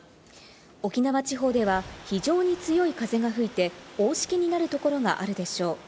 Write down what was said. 沖縄地方では非常に強い風が吹いて、大しけになるところがあるでしょう。